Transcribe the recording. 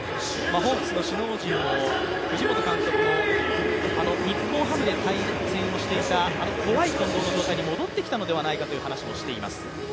ホークスの首脳陣、藤本監督も日本ハムで対戦していた怖い近藤に戻ってきたのではないかと言っています。